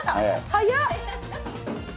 早っ！